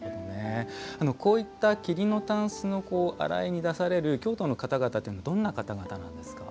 こういった桐のたんすの洗いに出される京都の方々というのはどんな方々なんですか。